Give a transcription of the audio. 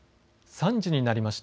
３時になりました。